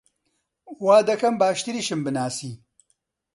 وا دەکەم باشتریشم بناسی!